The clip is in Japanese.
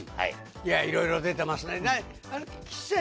いろいろ出てますね。